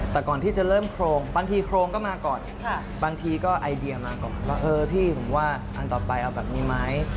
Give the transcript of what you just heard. แต่ก่อนที่จะเริ่มโครงบางทีโครงก็มาก่อนบางทีก็ไอเดียมาก่อนว่าเออพี่ผมว่าอันต่อไปเอาแบบนี้ไหม